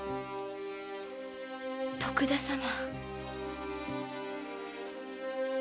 徳田様。